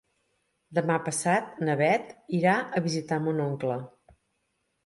Demà passat na Bet irà a visitar mon oncle.